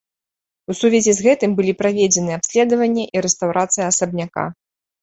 У сувязі з гэтым былі праведзены абследаванне і рэстаўрацыя асабняка.